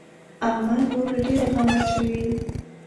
احمد نور له ډېره غمه چويي.